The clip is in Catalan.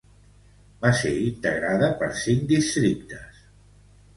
Va ser integrada per cinc districtes.